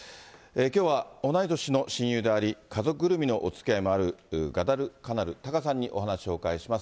きょうは同い年の親友であり、家族ぐるみのおつきあいもある、ガダルカナル・タカさんにお話をお伺いします。